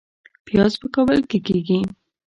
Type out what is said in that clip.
پیاز په کابل کې کیږي